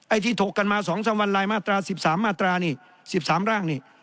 ไอ้ที่ถกกันมาสองสามวันลายมาตราสิบสามมาตรานี่สิบสามร่างนี่